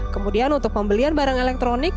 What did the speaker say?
kemudian untuk pembelian barang elektronik